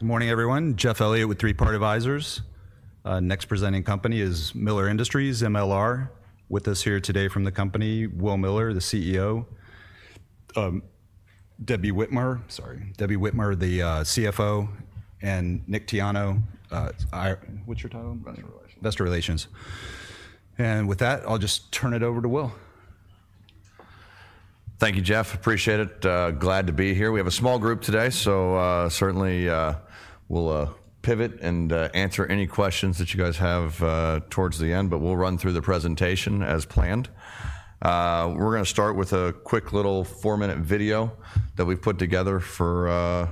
All right. Good morning, everyone. Jeff Elliott with Three Part Advisors. Next presenting company is Miller Industries, MLR. With us here today from the company, Will Miller, the CEO; Debbie Whitmire-sorry, Debbie Whitmire, the CFO; and Nick Tiano. What's your title? Vestor Relations. Investor Relations. With that, I'll just turn it over to Will. Thank you, Jeff. Appreciate it. Glad to be here. We have a small group today, so certainly we'll pivot and answer any questions that you guys have towards the end, but we'll run through the presentation as planned. We're going to start with a quick little four-minute video that we've put together for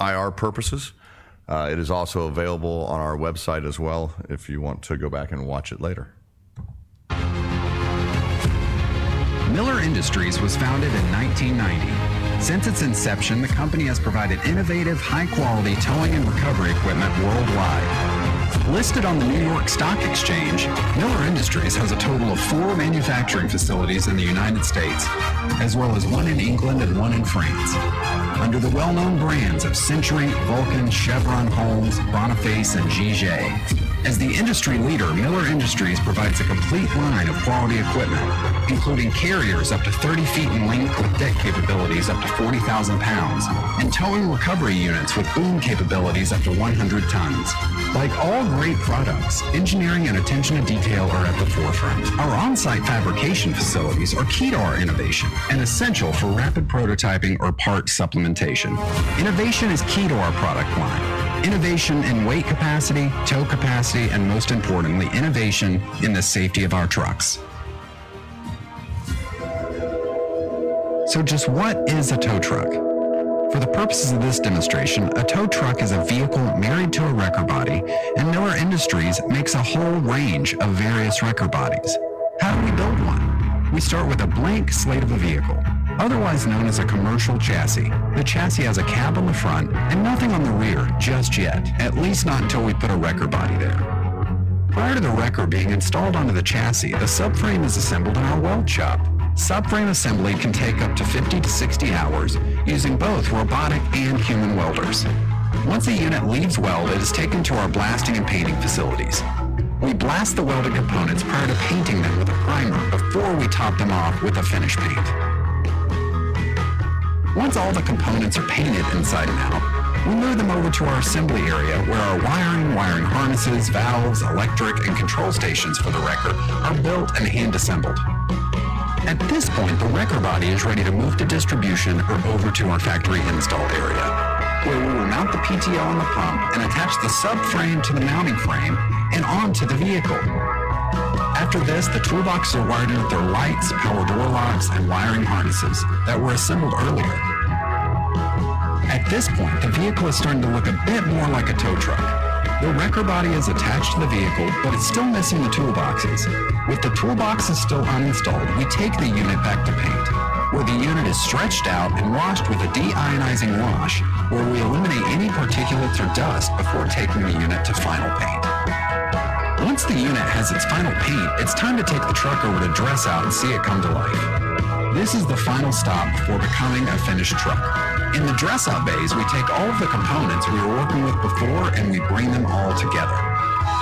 IR purposes. It is also available on our website as well if you want to go back and watch it later. Miller Industries was founded in 1990. Since its inception, the company has provided innovative, high-quality towing and recovery equipment worldwide. Listed on the New York Stock Exchange, Miller Industries has a total of four manufacturing facilities in the U.S., as well as one in England and one in France, under the well-known brands of Century, Vulcan, Chevron, Holmes, Boniface, and GJ. As the industry leader, Miller Industries provides a complete line of quality equipment, including carriers up to 30 ft in length with deck capabilities up to 40,000 lbs, and towing recovery units with boom capabilities up to 100 tons. Like all great products, engineering and attention to detail are at the forefront. Our on-site fabrication facilities are key to our innovation and essential for rapid prototyping or part supplementation. Innovation is key to our product line. Innovation in weight capacity, tow capacity, and most importantly, innovation in the safety of our trucks. Just what is a tow truck? For the purposes of this demonstration, a tow truck is a vehicle married to a wrecker body, and Miller Industries makes a whole range of various wrecker bodies. How do we build one? We start with a blank slate of a vehicle, otherwise known as a commercial chassis. The chassis has a cab on the front and nothing on the rear just yet, at least not until we put a wrecker body there. Prior to the wrecker being installed onto the chassis, the subframe is assembled in our weld shop. Subframe assembly can take up to 50-60 hours using both robotic and human welders. Once a unit leaves weld, it is taken to our blasting and painting facilities. We blast the welded components prior to painting them with a primer before we top them off with a finish paint. Once all the components are painted inside and out, we move them over to our assembly area where our wiring, wiring harnesses, valves, electric, and control stations for the wrecker are built and hand-assembled. At this point, the wrecker body is ready to move to distribution or over to our factory install area, where we will mount the PTO on the pump and attach the subframe to the mounting frame and onto the vehicle. After this, the toolbox is wired in with our lights, power door locks, and wiring harnesses that were assembled earlier. At this point, the vehicle is starting to look a bit more like a tow truck. The wrecker body is attached to the vehicle, but it's still missing the toolboxes. With the toolboxes still uninstalled, we take the unit back to paint, where the unit is stretched out and washed with a deionizing wash, where we eliminate any particulates or dust before taking the unit to final paint. Once the unit has its final paint, it's time to take the truck over to dress out and see it come to life. This is the final stop before becoming a finished truck. In the dress-out bays, we take all of the components we were working with before and we bring them all together.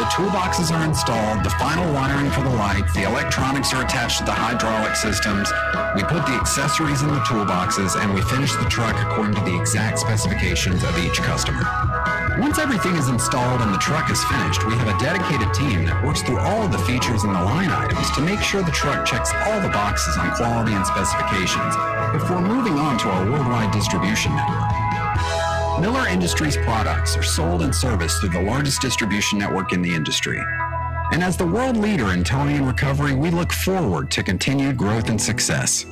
The toolboxes are installed, the final wiring for the lights, the electronics are attached to the hydraulic systems, we put the accessories in the toolboxes, and we finish the truck according to the exact specifications of each customer. Once everything is installed and the truck is finished, we have a dedicated team that works through all of the features and the line items to make sure the truck checks all the boxes on quality and specifications before moving on to our worldwide distribution network. Miller Industries' products are sold and serviced through the largest distribution network in the industry. As the world leader in towing and recovery, we look forward to continued growth and success.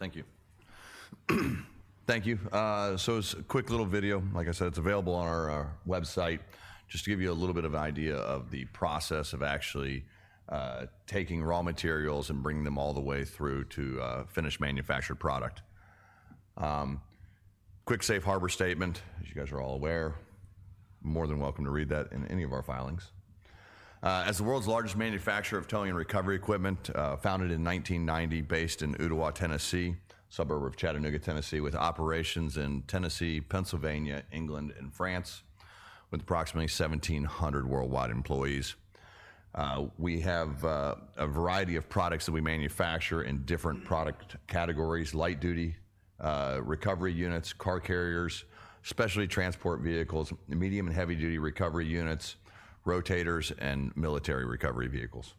Looks like it was right there. Perfect. Thank you. Thank you. It's a quick little video. Like I said, it's available on our website. Just to give you a little bit of an idea of the process of actually taking raw materials and bringing them all the way through to finished manufactured product. Quick safe harbor statement, as you guys are all aware. More than welcome to read that in any of our filings. As the world's largest manufacturer of towing and recovery equipment, founded in 1990, based in Ooltewah, Tennessee, suburb of Chattanooga, Tennessee, with operations in Tennessee, Pennsylvania, England, and France, with approximately 1,700 worldwide employees. We have a variety of products that we manufacture in different product categories: light-duty recovery units, car carriers, specialty transport vehicles, medium and heavy-duty recovery units, rotators, and military recovery vehicles.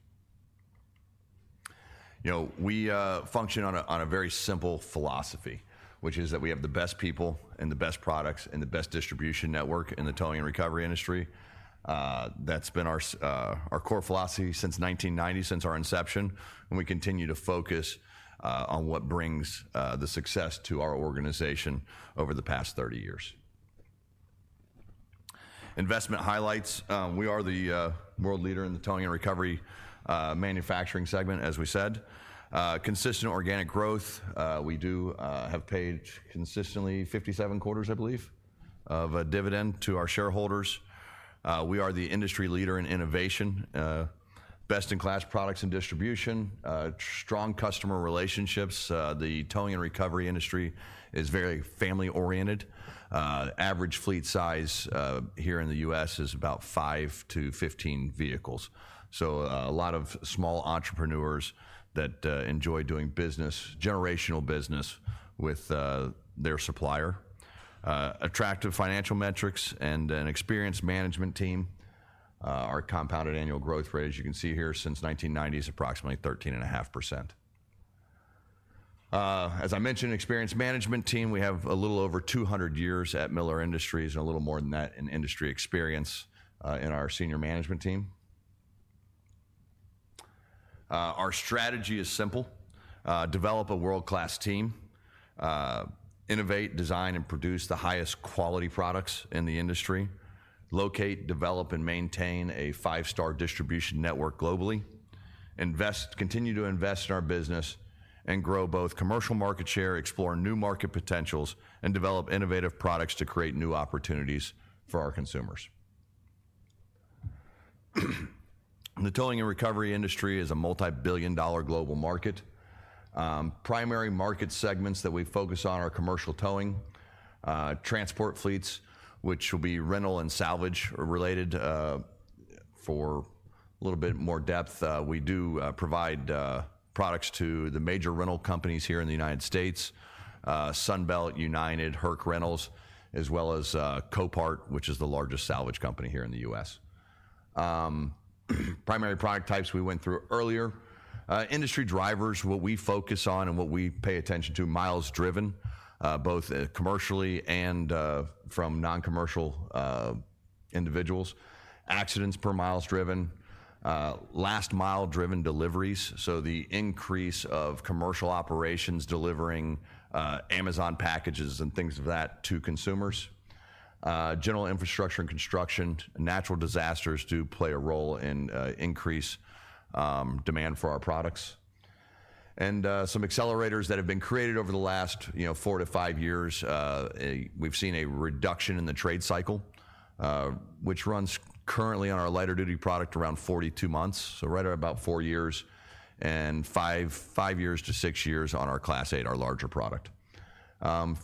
We function on a very simple philosophy, which is that we have the best people and the best products and the best distribution network in the towing and recovery industry. That has been our core philosophy since 1990, since our inception, and we continue to focus on what brings the success to our organization over the past 30 years. Investment highlights: we are the world leader in the towing and recovery manufacturing segment, as we said. Consistent organic growth: we have paid consistently 57 quarters, I believe, of dividend to our shareholders. We are the industry leader in innovation, best-in-class products in distribution, strong customer relationships. The towing and recovery industry is very family-oriented. Average fleet size here in the U.S. is about 5-15 vehicles. A lot of small entrepreneurs that enjoy doing business, generational business with their supplier. Attractive financial metrics and an experienced management team. Our compounded annual growth rate, as you can see here, since 1990 is approximately 13.5%. As I mentioned, experienced management team. We have a little over 200 years at Miller Industries and a little more than that in industry experience in our senior management team. Our strategy is simple: develop a world-class team, innovate, design, and produce the highest quality products in the industry, locate, develop, and maintain a five-star distribution network globally, continue to invest in our business, and grow both commercial market share, explore new market potentials, and develop innovative products to create new opportunities for our consumers. The towing and recovery industry is a multi-billion dollar global market. Primary market segments that we focus on are commercial towing, transport fleets, which will be rental and salvage related. For a little bit more depth, we do provide products to the major rental companies here in the U.S.: Sunbelt Rentals, Herc Rentals, as well as Copart, which is the largest salvage company here in the U.S. Primary product types we went through earlier. Industry drivers: what we focus on and what we pay attention to, miles driven, both commercially and from non-commercial individuals. Accidents per miles driven, last-mile driven deliveries, so the increase of commercial operations delivering Amazon packages and things of that to consumers. General infrastructure and construction. Natural disasters do play a role in increased demand for our products. Some accelerators that have been created over the last four to five years, we've seen a reduction in the trade cycle, which runs currently on our lighter-duty product around 42 months, so right at about four years, and five years to six years on our Class 8, our larger product.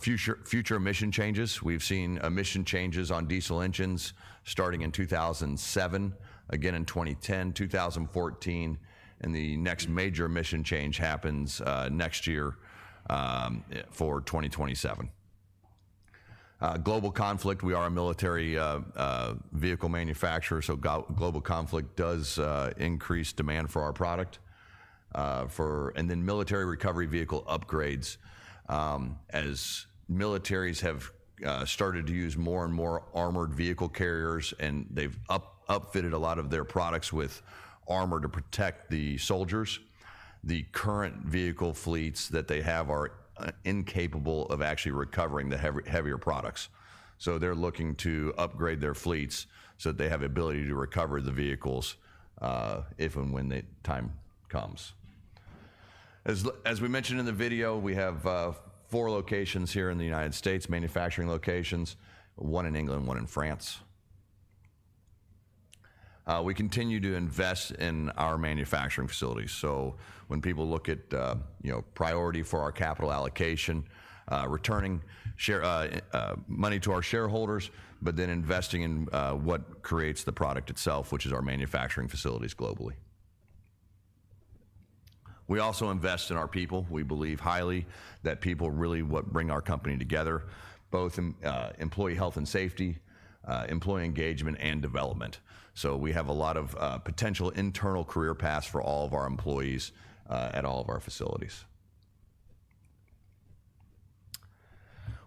Future emission changes: we've seen emission changes on diesel engines starting in 2007, again in 2010, 2014, and the next major emission change happens next year for 2027. Global conflict: we are a military vehicle manufacturer, so global conflict does increase demand for our product. And then military recovery vehicle upgrades. As militaries have started to use more and more armored vehicle carriers, and they've upfitted a lot of their products with armor to protect the soldiers, the current vehicle fleets that they have are incapable of actually recovering the heavier products. They're looking to upgrade their fleets so that they have the ability to recover the vehicles if and when the time comes. As we mentioned in the video, we have four locations here in the U.S., manufacturing locations, one in England, one in France. We continue to invest in our manufacturing facilities. When people look at priority for our capital allocation, returning money to our shareholders, but then investing in what creates the product itself, which is our manufacturing facilities globally. We also invest in our people. We believe highly that people really bring our company together, both employee health and safety, employee engagement, and development. We have a lot of potential internal career paths for all of our employees at all of our facilities.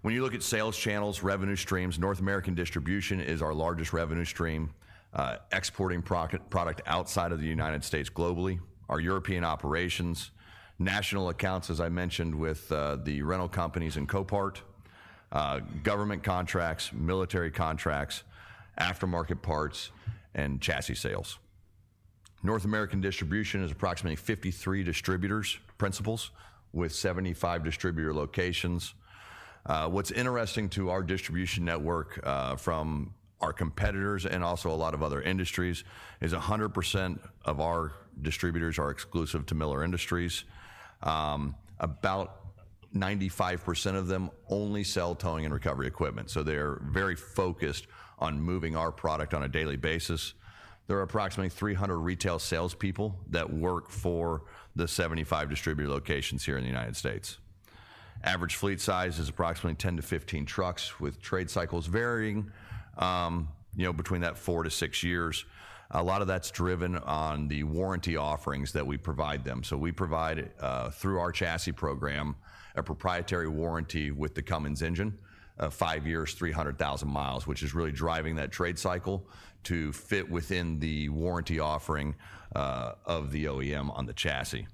When you look at sales channels, revenue streams, North American distribution is our largest revenue stream, exporting product outside of the United States globally, our European operations, national accounts, as I mentioned, with the rental companies and Copart, government contracts, military contracts, aftermarket parts, and chassis sales. North American distribution is approximately 53 distributors, principals, with 75 distributor locations. What's interesting to our distribution network from our competitors and also a lot of other industries is 100% of our distributors are exclusive to Miller Industries. About 95% of them only sell towing and recovery equipment, so they're very focused on moving our product on a daily basis. There are approximately 300 retail salespeople that work for the 75 distributor locations here in the United States. Average fleet size is approximately 10-15 trucks, with trade cycles varying between that four to six years. A lot of that's driven on the warranty offerings that we provide them. So we provide, through our chassis program, a proprietary warranty with the Cummins engine, five years, 300,000 miles, which is really driving that trade cycle to fit within the warranty offering of the OEM on the chassis,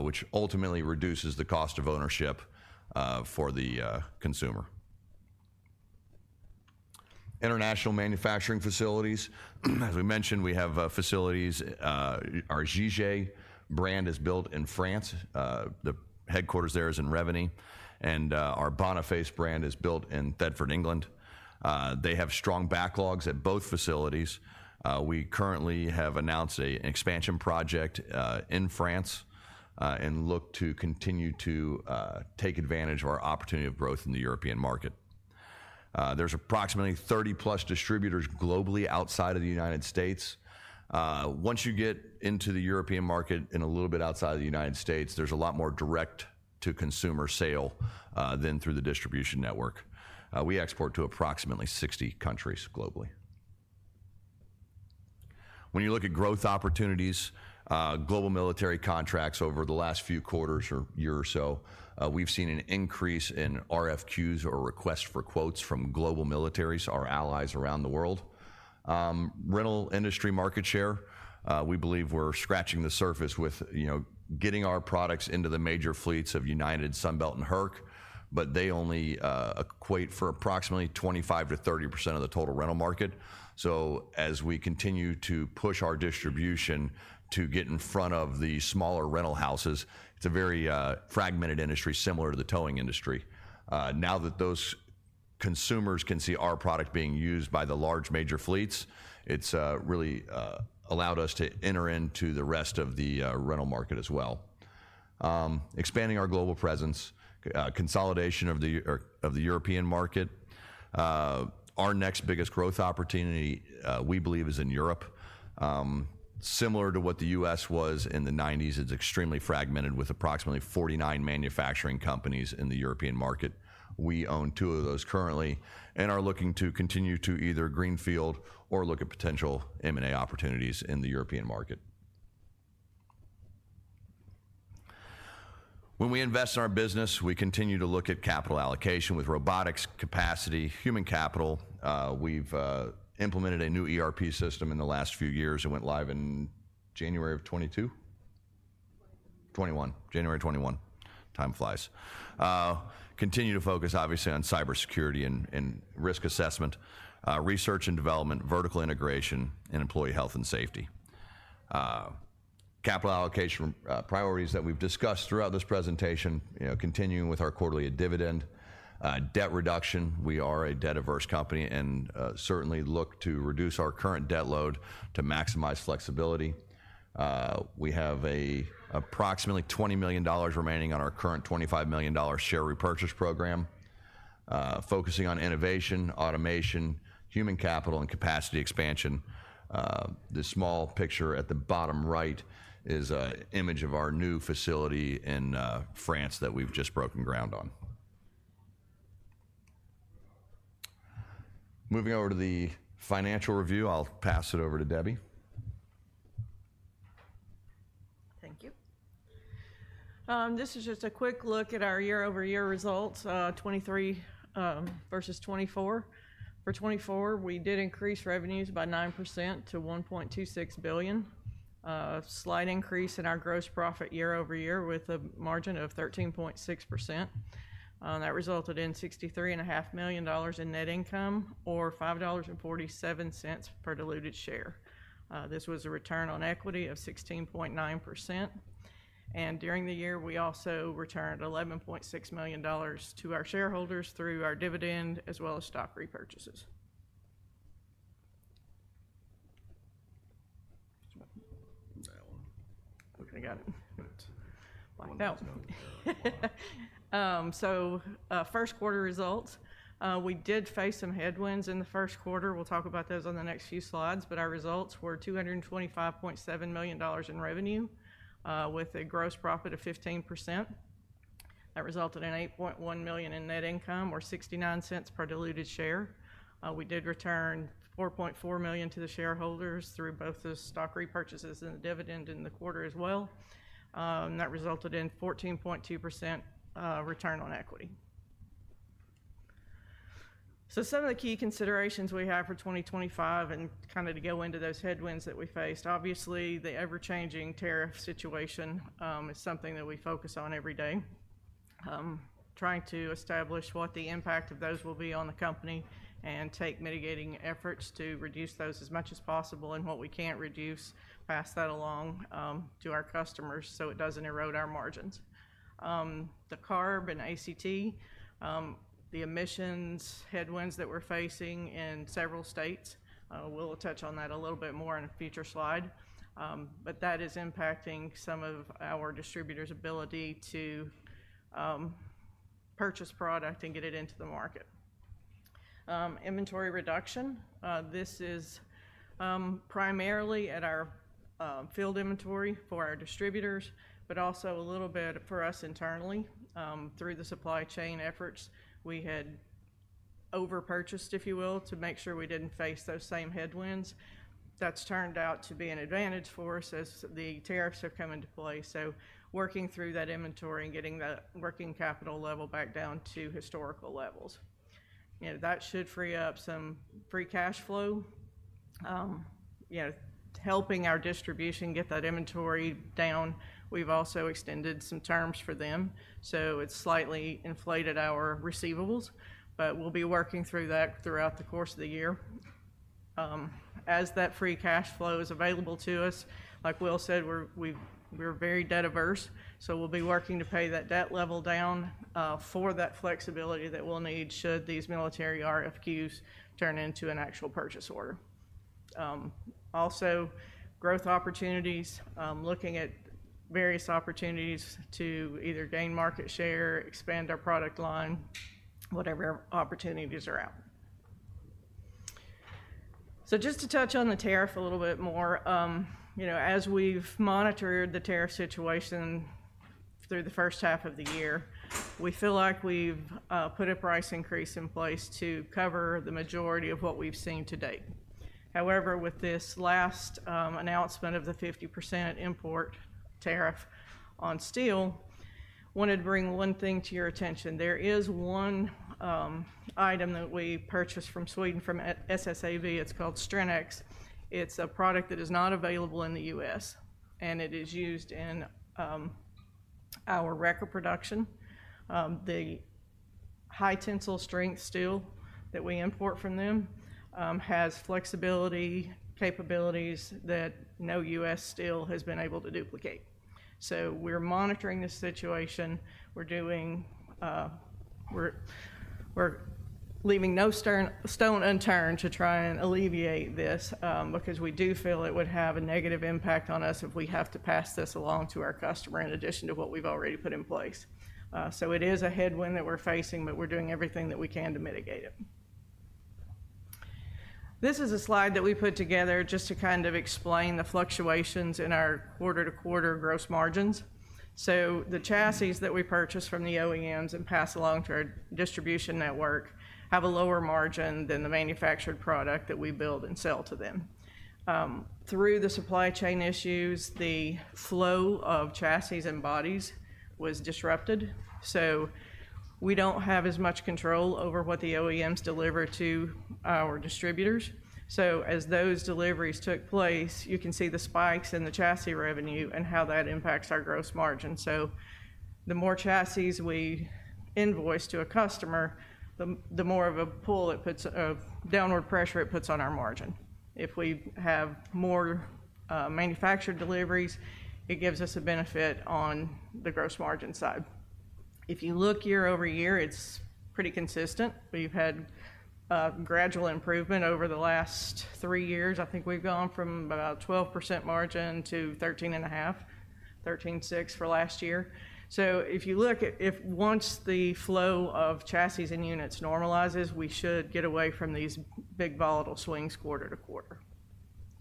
which ultimately reduces the cost of ownership for the consumer. International manufacturing facilities: as we mentioned, we have facilities. Our GJ brand is built in France. The headquarters there is in Revigny, and our Boniface brand is built in Thetford, England. They have strong backlogs at both facilities. We currently have announced an expansion project in France and look to continue to take advantage of our opportunity of growth in the European market. There's approximately 30-plus distributors globally outside of the United States. Once you get into the European market and a little bit outside of the United States, there's a lot more direct-to-consumer sale than through the distribution network. We export to approximately 60 countries globally. When you look at growth opportunities, global military contracts over the last few quarters or year or so, we've seen an increase in RFQs or requests for quotes from global militaries, our allies around the world. Rental industry market share: we believe we're scratching the surface with getting our products into the major fleets of United, Sunbelt, and Herc, but they only equate for approximately 25-30% of the total rental market. As we continue to push our distribution to get in front of the smaller rental houses, it's a very fragmented industry similar to the towing industry. Now that those consumers can see our product being used by the large major fleets, it's really allowed us to enter into the rest of the rental market as well. Expanding our global presence, consolidation of the European market. Our next biggest growth opportunity, we believe, is in Europe. Similar to what the U.S. was in the 1990s, it's extremely fragmented with approximately 49 manufacturing companies in the European market. We own two of those currently and are looking to continue to either greenfield or look at potential M&A opportunities in the European market. When we invest in our business, we continue to look at capital allocation with robotics, capacity, human capital. We've implemented a new ERP system in the last few years. It went live in January of 2022. '21. '21. January '21. Time flies. Continue to focus, obviously, on cybersecurity and risk assessment, research and development, vertical integration, and employee health and safety. Capital allocation priorities that we've discussed throughout this presentation, continuing with our quarterly dividend, debt reduction. We are a debt-averse company and certainly look to reduce our current debt load to maximize flexibility. We have approximately $20 million remaining on our current $25 million share repurchase program, focusing on innovation, automation, human capital, and capacity expansion. The small picture at the bottom right is an image of our new facility in France that we've just broken ground on. Moving over to the financial review, I'll pass it over to Debbie. Thank you. This is just a quick look at our year-over-year results, 2023 versus 2024. For 2024, we did increase revenues by 9% to $1.26 billion, a slight increase in our gross profit year-over-year with a margin of 13.6%. That resulted in $63.5 million in net income or $5.47 per diluted share. This was a return on equity of 16.9%. During the year, we also returned $11.6 million to our shareholders through our dividend as well as stock repurchases. First quarter results, we did face some headwinds in the first quarter. We will talk about those on the next few slides, but our results were $225.7 million in revenue with a gross profit of 15%. That resulted in $8.1 million in net income or $0.69 per diluted share. We did return $4.4 million to the shareholders through both the stock repurchases and the dividend in the quarter as well. That resulted in a 14.2% return on equity. Some of the key considerations we have for 2025 and kind of to go into those headwinds that we faced, obviously, the ever-changing tariff situation is something that we focus on every day, trying to establish what the impact of those will be on the company and take mitigating efforts to reduce those as much as possible. What we cannot reduce, pass that along to our customers so it does not erode our margins. The CARB and ACT, the emissions headwinds that we are facing in several states, we will touch on that a little bit more in a future slide, but that is impacting some of our distributors' ability to purchase product and get it into the market. Inventory reduction, this is primarily at our field inventory for our distributors, but also a little bit for us internally through the supply chain efforts. We had overpurchased, if you will, to make sure we did not face those same headwinds. That has turned out to be an advantage for us as the tariffs have come into play. Working through that inventory and getting that working capital level back down to historical levels, that should free up some free cash flow, helping our distribution get that inventory down. We have also extended some terms for them, so it has slightly inflated our receivables, but we will be working through that throughout the course of the year. As that free cash flow is available to us, like Will said, we're very debt-averse, so we'll be working to pay that debt level down for that flexibility that we'll need should these military RFQs turn into an actual purchase order. Also, growth opportunities, looking at various opportunities to either gain market share, expand our product line, whatever opportunities are out. Just to touch on the tariff a little bit more, as we've monitored the tariff situation through the first half of the year, we feel like we've put a price increase in place to cover the majority of what we've seen to date. However, with this last announcement of the 50% import tariff on steel, I wanted to bring one thing to your attention. There is one item that we purchase from Sweden from SSAB. It's called Strinx. It's a product that is not available in the U.S., and it is used in our wrecker production. The high-tensile strength steel that we import from them has flexibility capabilities that no U.S. steel has been able to duplicate. We are monitoring this situation. We are leaving no stone unturned to try and alleviate this because we do feel it would have a negative impact on us if we have to pass this along to our customer in addition to what we have already put in place. It is a headwind that we are facing, but we are doing everything that we can to mitigate it. This is a slide that we put together just to kind of explain the fluctuations in our quarter-to-quarter gross margins. The chassis that we purchase from the OEMs and pass along to our distribution network have a lower margin than the manufactured product that we build and sell to them. Through the supply chain issues, the flow of chassis and bodies was disrupted. We do not have as much control over what the OEMs deliver to our distributors. As those deliveries took place, you can see the spikes in the chassis revenue and how that impacts our gross margin. The more chassis we invoice to a customer, the more of a pull it puts of downward pressure it puts on our margin. If we have more manufactured deliveries, it gives us a benefit on the gross margin side. If you look year-over-year, it is pretty consistent. We have had gradual improvement over the last three years. I think we've gone from about a 12% margin to 13.5-13.6% for last year. If you look, if once the flow of chassis and units normalizes, we should get away from these big volatile swings quarter to quarter.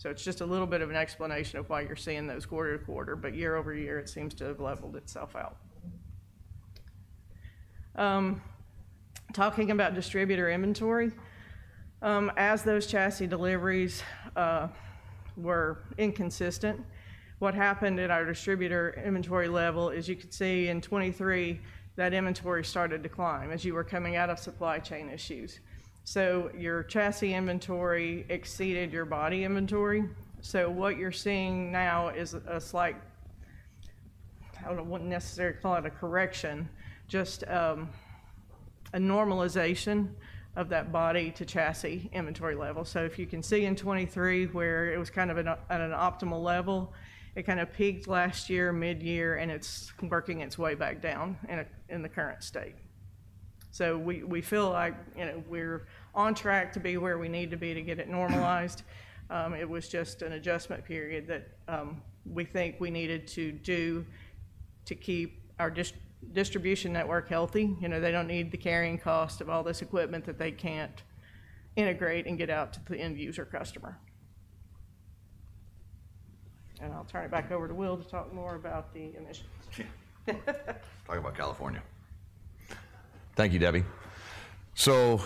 It is just a little bit of an explanation of why you're seeing those quarter to quarter, but year-over-year, it seems to have leveled itself out. Talking about distributor inventory, as those chassis deliveries were inconsistent, what happened at our distributor inventory level is you could see in 2023 that inventory started to decline as you were coming out of supply chain issues. Your chassis inventory exceeded your body inventory. What you're seeing now is a slight, I wouldn't necessarily call it a correction, just a normalization of that body to chassis inventory level. If you can see in 2023 where it was kind of at an optimal level, it kind of peaked last year, mid-year, and it's working its way back down in the current state. We feel like we're on track to be where we need to be to get it normalized. It was just an adjustment period that we think we needed to do to keep our distribution network healthy. They don't need the carrying cost of all this equipment that they can't integrate and get out to the end-user customer. I'll turn it back over to Will to talk more about the initiatives. Talk about California. Thank you, Debbie. So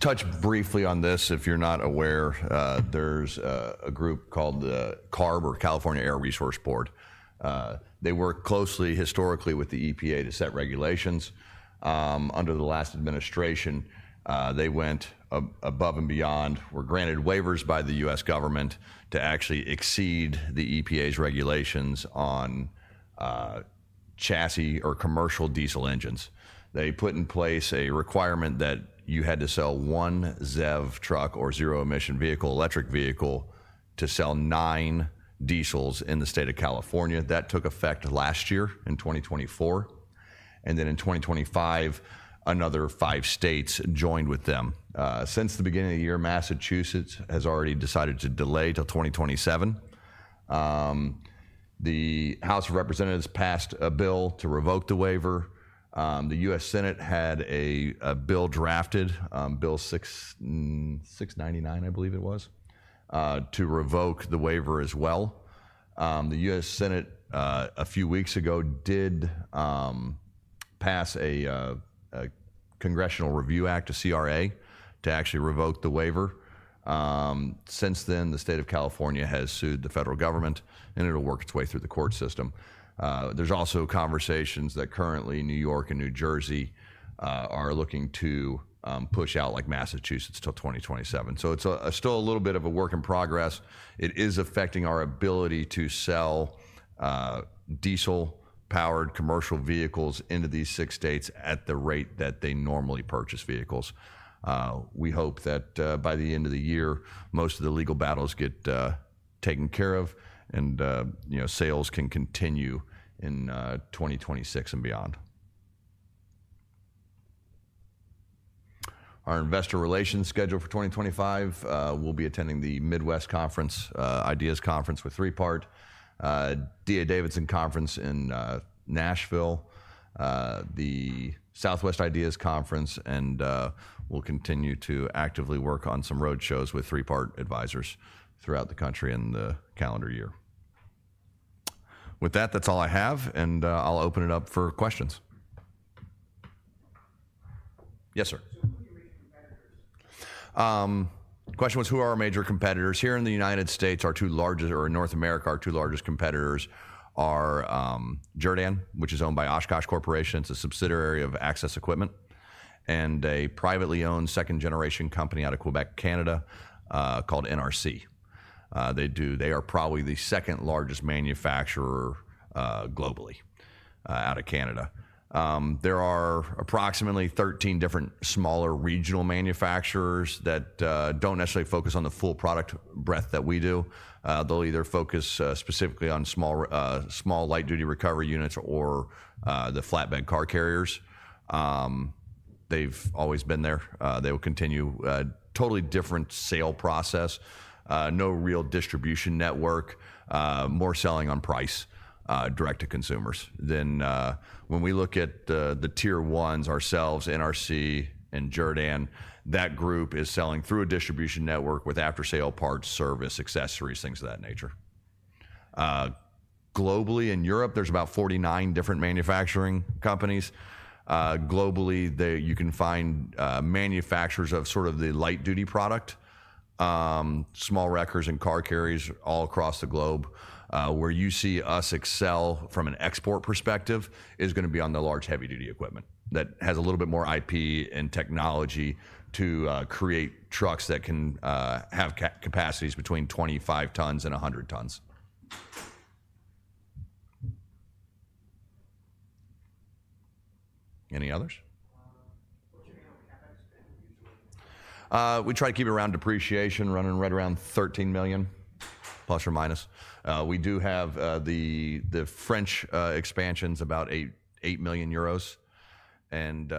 touch briefly on this. If you're not aware, there's a group called the CARB, or California Air Resources Board. They work closely historically with the EPA to set regulations. Under the last administration, they went above and beyond, were granted waivers by the U.S. government to actually exceed the EPA's regulations on chassis or commercial diesel engines. They put in place a requirement that you had to sell one ZEV truck or zero-emission vehicle, electric vehicle, to sell nine diesels in the state of California. That took effect last year in 2024. In 2025, another five states joined with them. Since the beginning of the year, Massachusetts has already decided to delay till 2027. The House of Representatives passed a bill to revoke the waiver. The U.S. Senate had a bill drafted, Bill 699, I believe it was, to revoke the waiver as well. The U.S. Senate, a few weeks ago, did pass a Congressional Review Act, a CRA, to actually revoke the waiver. Since then, the state of California has sued the federal government, and it'll work its way through the court system. There's also conversations that currently New York and New Jersey are looking to push out, like Massachusetts, till 2027. It is still a little bit of a work in progress. It is affecting our ability to sell diesel-powered commercial vehicles into these six states at the rate that they normally purchase vehicles. We hope that by the end of the year, most of the legal battles get taken care of and sales can continue in 2026 and beyond. Our investor relations schedule for 2025, we'll be attending the Midwest Conference, Ideas Conference with Three Part, D.A. Davidson Conference in Nashville, the Southwest Ideas Conference, and we'll continue to actively work on some roadshows with Three Part Advisors throughout the country in the calendar year. With that, that's all I have, and I'll open it up for questions. Yes, sir. Who are your major competitors? The question was, who are our major competitors? Here in the U.S., our two largest, or in North America, our two largest competitors are Jerr-Dan, which is owned by Oshkosh Corporation. It's a subsidiary of Access Equipment and a privately owned second-generation company out of Quebec, Canada, called NRC. They are probably the second largest manufacturer globally out of Canada. There are approximately 13 different smaller regional manufacturers that don't necessarily focus on the full product breadth that we do. They'll either focus specifically on small light-duty recovery units or the flatbed car carriers. They've always been there. They will continue a totally different sale process, no real distribution network, more selling on price direct to consumers. When we look at the tier ones, ourselves, NRC, and Jerr-Dan, that group is selling through a distribution network with after-sale parts, service, accessories, things of that nature. Globally in Europe, there's about 49 different manufacturing companies. Globally, you can find manufacturers of sort of the light-duty product, small wreckers and car carriers all across the globe. Where you see us excel from an export perspective is going to be on the large heavy-duty equipment that has a little bit more IP and technology to create trucks that can have capacities between 25 tons and 100 tons. Any others? We try to keep it around depreciation, running right around $13 million, plus or minus. We do have the French expansions, about 8 million euros, and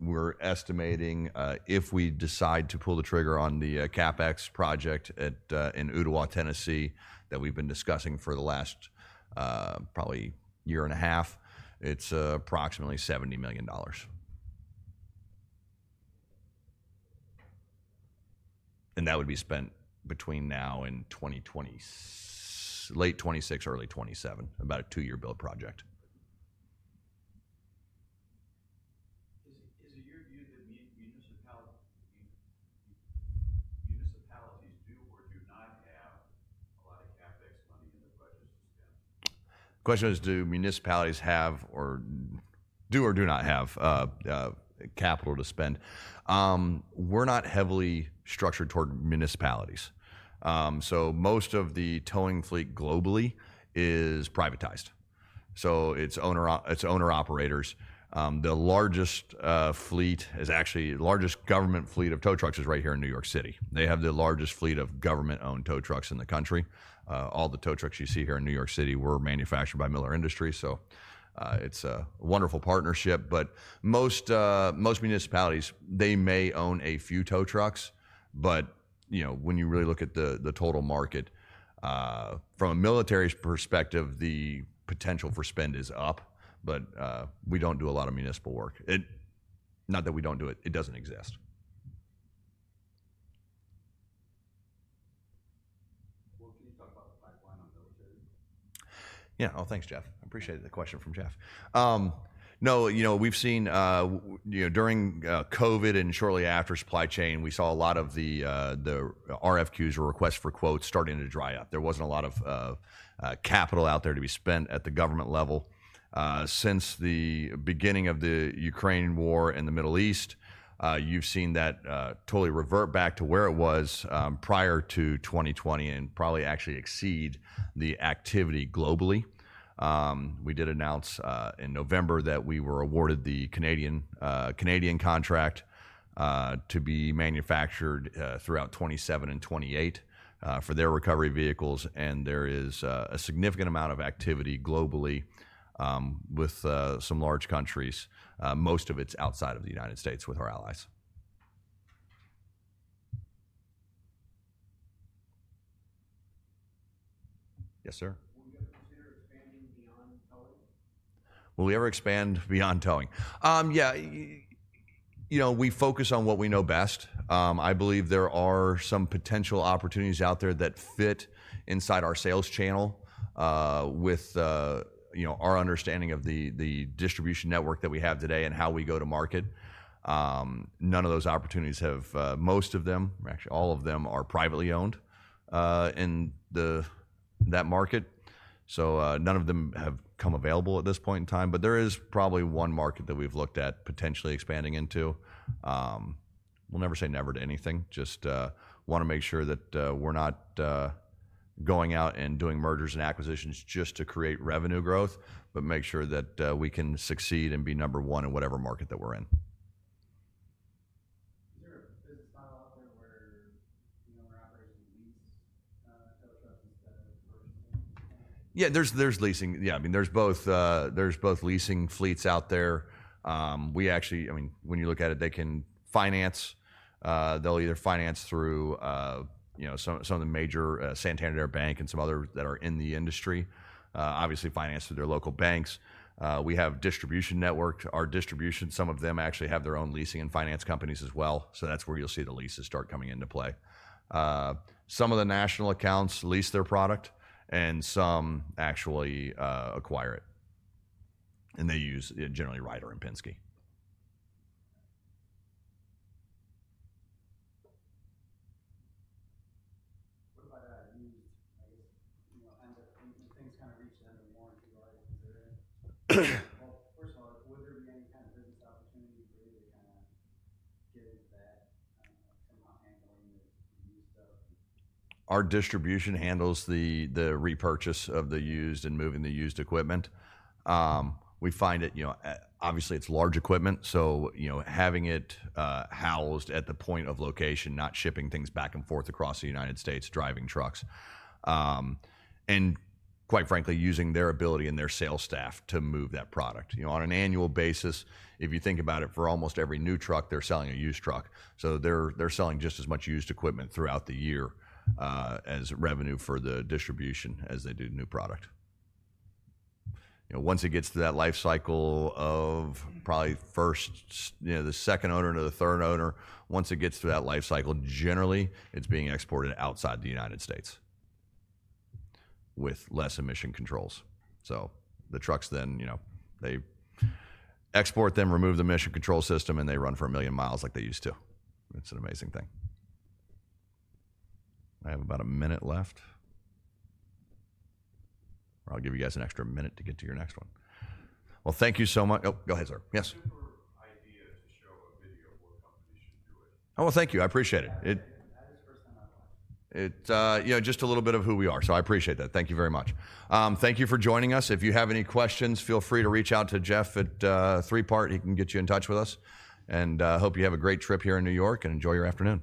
we're estimating if we decide to pull the trigger on the CapEx project in Ooltewah, Tennessee, that we've been discussing for the last probably year and a half, it's approximately $70 million. That would be spent between now and late 2026, early 2027, about a two-year build project. Is it your view that municipalities do or do not have a lot of CapEx money in the budgets to spend? The question is, do municipalities have or do not have capital to spend? We're not heavily structured toward municipalities. Most of the towing fleet globally is privatized, so it's owner-operators. The largest fleet is actually the largest government fleet of tow trucks right here in New York City. They have the largest fleet of government-owned tow trucks in the country. All the tow trucks you see here in New York City were manufactured by Miller Industries. It's a wonderful partnership, but most municipalities may own a few tow trucks. When you really look at the total market, from Miller Industries' perspective, the potential for spend is up, but we don't do a lot of municipal work. Not that we don't do it, it doesn't exist. Will, can you talk about the pipeline on military? Yeah. Oh, thanks, Jeff. I appreciate the question from Jeff. No, we've seen during COVID and shortly after supply chain, we saw a lot of the RFQs or requests for quotes starting to dry up. There wasn't a lot of capital out there to be spent at the government level. Since the beginning of the Ukraine war in the Middle East, you've seen that totally revert back to where it was prior to 2020 and probably actually exceed the activity globally. We did announce in November that we were awarded the Canadian contract to be manufactured throughout 2027 and 2028 for their recovery vehicles, and there is a significant amount of activity globally with some large countries. Most of it's outside of the United States with our allies. Yes, sir? Will you ever consider expanding beyond towing? Will we ever expand beyond towing? Yeah. We focus on what we know best. I believe there are some potential opportunities out there that fit inside our sales channel with our understanding of the distribution network that we have today and how we go to market. None of those opportunities have, most of them, or actually all of them, are privately owned in that market. So none of them have come available at this point in time, but there is probably one market that we've looked at potentially expanding into. We'll never say never to anything. Just want to make sure that we're not going out and doing mergers and acquisitions just to create revenue growth, but make sure that we can succeed and be number one in whatever market that we're in. Is there a business model out there where your operation leases tow trucks instead of commercial ones? Yeah, there's leasing. Yeah. I mean, there's both leasing fleets out there. We actually, I mean, when you look at it, they can finance. They'll either finance through some of the major Santander Bank and some others that are in the industry, obviously finance through their local banks. We have distribution networks. Our distribution, some of them actually have their own leasing and finance companies as well. That's where you'll see the leases start coming into play. Some of the national accounts lease their product, and some actually acquire it. They use generally Ryder and Penske. What about that used? I guess, when things kind of reach the end of warranty life, is there a—first of all, would there be any kind of business opportunity for you to kind of get into that and not handling the used stuff? Our distribution handles the repurchase of the used and moving the used equipment. We find it, obviously, it's large equipment, so having it housed at the point of location, not shipping things back and forth across the U.S., driving trucks, and quite frankly, using their ability and their sales staff to move that product. On an annual basis, if you think about it, for almost every new truck, they're selling a used truck. So they're selling just as much used equipment throughout the year as revenue for the distribution as they do new product. Once it gets to that life cycle of probably first, the second owner to the third owner, once it gets to that life cycle, generally, it's being exported outside the U.S. with less emission controls. The trucks then, they export them, remove the emission control system, and they run for a million miles like they used to. It's an amazing thing. I have about a minute left. I'll give you guys an extra minute to get to your next one. Thank you so much. Oh, go ahead, sir. Yes. What's your idea to show a video of what companies should do? Oh, thank you. I appreciate it. That is the first time I've watched. It's just a little bit of who we are, so I appreciate that. Thank you very much. Thank you for joining us. If you have any questions, feel free to reach out to Jeff at Three Part. He can get you in touch with us. I hope you have a great trip here in New York and enjoy your afternoon.